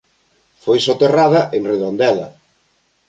Foi soterrada en Redondela.